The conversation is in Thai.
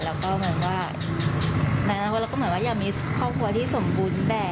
แล้วก็อยากมีครอบครัวที่สมบูรณ์แบบ